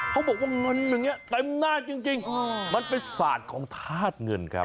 เขาบอกว่าเงินอย่างนี้เต็มหน้าจริงมันเป็นศาสตร์ของธาตุเงินครับ